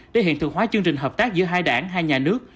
để hiện thực hóa chương trình hợp tác giữa hai đảng hai nhà nước